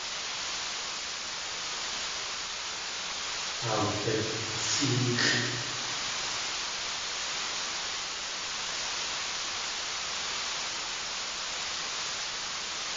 Awlisʼéex̲ʼ.